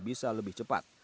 bisa lebih cepat